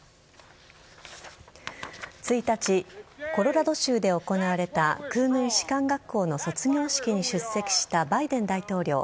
１日、コロラド州で行われた空軍士官学校の卒業式に出席したバイデン大統領。